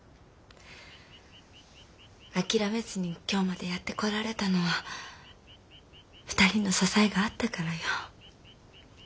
諦めずに今日までやってこられたのは２人の支えがあったからよ。